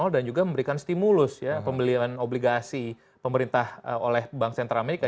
dan juga memberikan stimulus pembelian obligasi pemerintah oleh bank sentra amerika